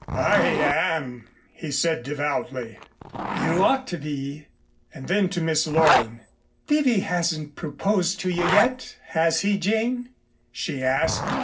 "I am," he said devoutly. "You ought to be." And then to Miss Loring, "Bibby hasn't proposed to you yet, has he, Jane," she asked.